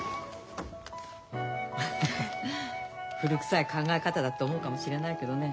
古くさい考え方だって思うかもしれないけどね